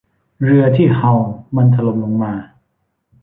เรือที่ฮัลล์มันถล่มลงมา